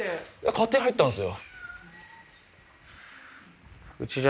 勝手に入ったんですよ。